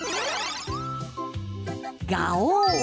ガオー！